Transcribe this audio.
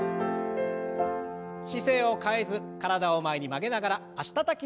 姿勢を変えず体を前に曲げながら脚たたきの運動を。